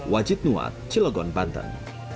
wajib nuat cilogon banten